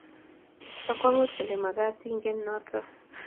Bo kwangut kole magat ingen noto